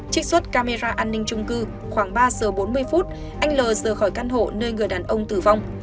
trích xuất camera an ninh trung cư khoảng ba giờ bốn mươi phút anh l rời khỏi căn hộ nơi người đàn ông tử vong